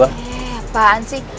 eh apaan sih